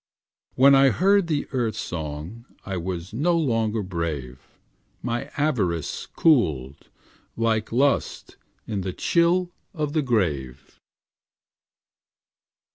When I heard the Earth song I was no longer brave; My avarice cooled Like lust in the chill of the grave.